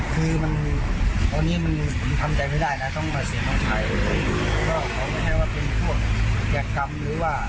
คือมันตอนนี้มันทำใจไม่ได้นะต้องมาเสียน้องชาย